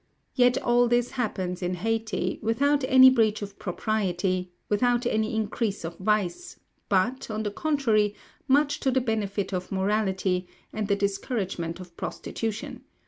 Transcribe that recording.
Yet all this happens in Hayti, without any breach of propriety, without any increase of vice; but, on the contrary, much to the benefit of morality, and the discouragement of prostitution.